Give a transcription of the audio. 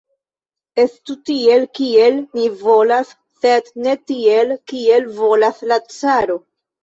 Estu tiel, kiel mi volas, sed ne tiel, kiel volas la caro!